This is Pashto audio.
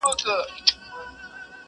دا کاڼي د غضب یوازي زموږ پر کلي اوري!.